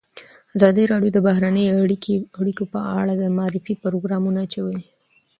ازادي راډیو د بهرنۍ اړیکې په اړه د معارفې پروګرامونه چلولي.